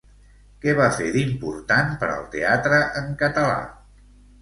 Què va fer d'important per al teatre en català?